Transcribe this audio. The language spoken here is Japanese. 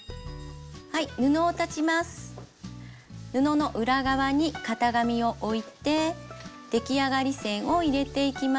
布の裏側に型紙を置いてできあがり線を入れていきます。